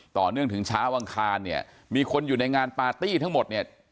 ต่อเนื่องถึงเช้าอังคารเนี่ยมีคนอยู่ในงานปาร์ตี้ทั้งหมดเนี่ย